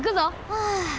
はあ